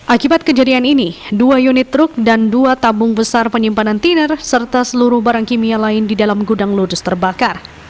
akibat kejadian ini dua unit truk dan dua tabung besar penyimpanan tiner serta seluruh barang kimia lain di dalam gudang ludus terbakar